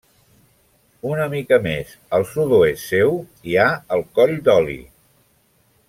Una mica més al sud-oest seu hi ha el Coll d'Oli.